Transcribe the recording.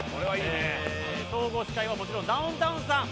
えー総合司会はもちろんダウンタウンさん